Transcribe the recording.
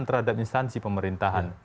terhadap instansi pemerintahan